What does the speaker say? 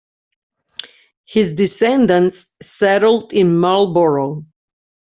His descendants settled in Marlborough.